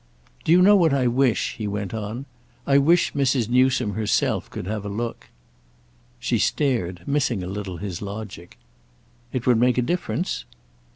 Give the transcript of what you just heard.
"Do you know what I wish?" he went on. "I wish Mrs. Newsome herself could have a look." She stared, missing a little his logic. "It would make a difference?"